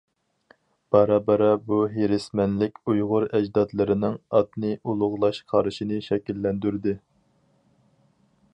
بارا-بارا بۇ ھېرىسمەنلىك ئۇيغۇر ئەجدادلىرىنىڭ ئاتنى ئۇلۇغلاش قارىشىنى شەكىللەندۈردى.